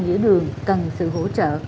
giữa đường cần sự hỗ trợ